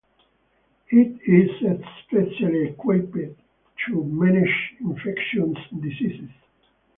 It is specially equipped to manage infectious diseases.